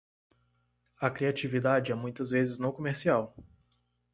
A criatividade é muitas vezes não comercial.